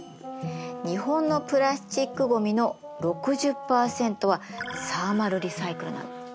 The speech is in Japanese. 日本のプラスチックごみの６０％はサーマルリサイクルなの。